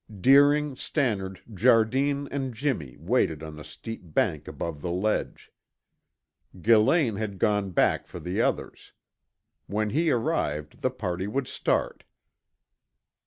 Deering, Stannard, Jardine and Jimmy waited on the steep bank above the ledge; Gillane had gone back for the others. When he arrived the party would start.